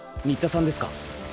新田さんですか？